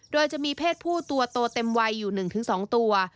โดยจะมีเพศผู้ตัวโตเต็มวัยอยู่๑๒ตัว